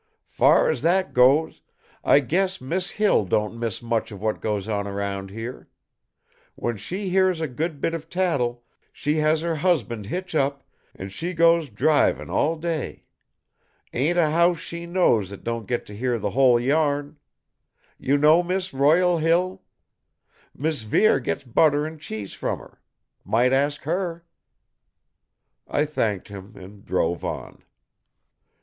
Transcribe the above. "Far as that goes, I guess Mis' Hill don't miss much of what goes on around here. When she hears a good bit of tattle, she has her husband hitch up, and she goes drivin' all day. Ain't a house she knows that don't get to hear the whole yarn! You know Mis' Royal Hill? Mis' Vere gets butter and cheese from her. Might ask her!" I thanked him and drove on. Mrs.